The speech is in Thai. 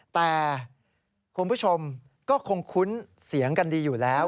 แต่คุณผู้ชมก็คงคุ้นเสียงกันดีอยู่แล้ว